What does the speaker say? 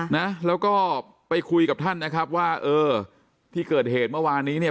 นะแล้วก็ไปคุยกับท่านนะครับว่าเออที่เกิดเหตุเมื่อวานนี้เนี่ย